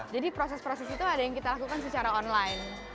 jadi proses proses itu ada yang kita lakukan secara online